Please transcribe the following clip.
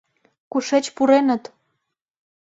— Кушеч пуреныт?